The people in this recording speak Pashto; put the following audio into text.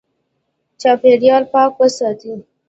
چاپېریال پاک وساتې.